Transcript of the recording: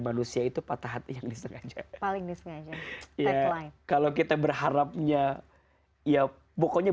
manusia itu patah hati yang disengaja paling disengaja ya kalau kita berharapnya ya pokoknya